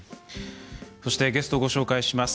ゲストをご紹介します。